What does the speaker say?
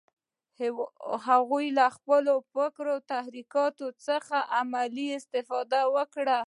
هغوی له خپلو فکري تحرکات څخه عملي استفاده وکړه